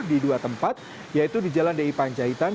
di dua tempat yaitu di jalan d i panjahitan